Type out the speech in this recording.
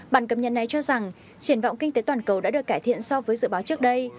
bản cập nhật này cho rằng triển vọng kinh tế toàn cầu đã được cải thiện so với dự báo trước đây